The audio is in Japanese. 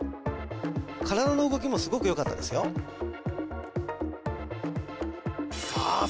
体の動きもすごくよかったですよさあ